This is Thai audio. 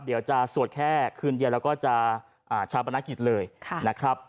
เดี๋ยวจะสวดแค่คืนเดียวแล้วก็จะชาปนักกิจเลยนะครับ